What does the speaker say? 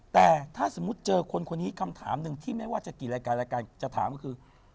แต่ถ้าสมมุติเจอคนคนนี้คำถามหนึ่งที่ไม่ว่าจะกี่รายการรายการจะถามก็คือ